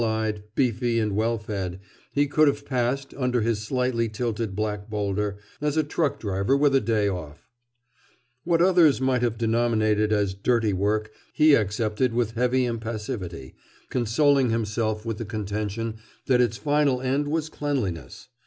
Small eyed, beefy and well fed, he could have passed, under his slightly tilted black boulder, as a truck driver with a day off. What others might have denominated as "dirty work" he accepted with heavy impassivity, consoling himself with the contention that its final end was cleanness.